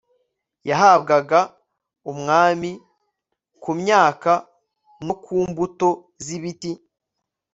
yahabwaga umwami, ku myaka no ku mbuto z'ibiti